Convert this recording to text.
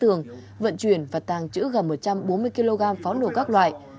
trường vận chuyển và tàng chữ gần một trăm bốn mươi kg pháo nổ các loại